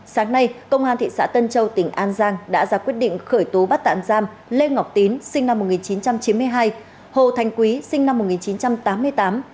sáng nay công an thị xã tân châu tỉnh an giang đã ra quyết định khởi tố bắt tạm giam lê ngọc tín sinh năm một nghìn chín trăm chín mươi hai hồ thành quý sinh năm một nghìn chín trăm tám mươi tám